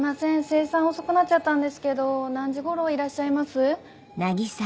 精算遅くなっちゃったんですけど何時頃いらっしゃいます？